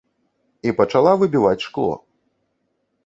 І пачала выбіваць шкло.